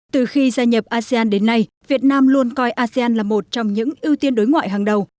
từ khi gia nhập asean đến nay việt nam luôn coi asean là một trong những ưu tiên đối ngoại hàng đầu